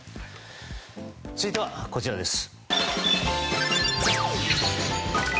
続いては、こちらです。